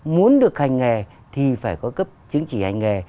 muốn được hành nghề thì phải có cấp chứng chỉ hành nghề